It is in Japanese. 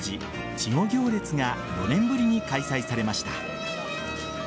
稚児行列が４年ぶりに開催されました。